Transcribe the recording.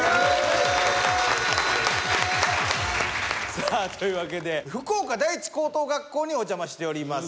さあというわけで福岡第一高等学校にお邪魔しております。